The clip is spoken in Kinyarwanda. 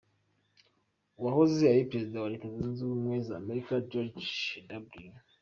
Uwahoze ari Perezida wa Leta Zunze Ubumwe z’Amerika, George W.